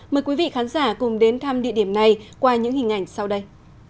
mời quý vị khán giả cùng đến thăm địa điểm này qua những hình ảnh sau đây